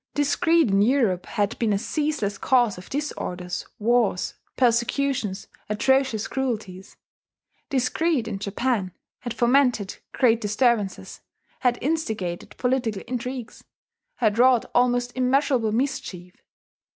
This creed in Europe had been a ceaseless cause of disorders, wars, persecutions, atrocious cruelties. This creed, in Japan, had fomented great disturbances, had instigated political intrigues, had wrought almost immeasurable mischief.